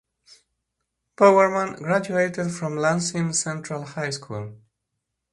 Bowerman graduated from Lansing Central High School.